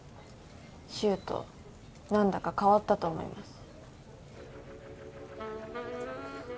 柊人何だか変わったと思います